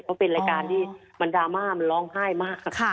เพราะเป็นรายการที่มันดราม่ามันร้องไห้มากค่ะ